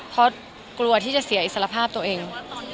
เพราะกลัวที่จะเสียอิสรภาพตัวเอง